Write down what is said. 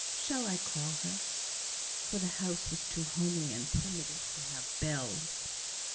Shall I call her?" (For the house was too homely and primitive to have bells.)